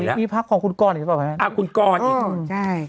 ที่ไหมมีพักของคุณก้อนอีกหรือเปล่าอ่าคุณก้อนอืมใช่